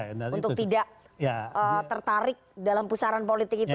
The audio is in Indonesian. untuk tidak tertarik dalam pusaran politik itu